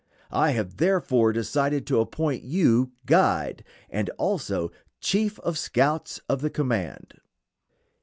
I have therefore decided to appoint you guide, and also chief of scouts of the command."